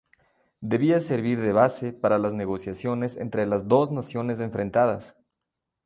Debía servir de base para las negociaciones entre las dos naciones enfrentadas.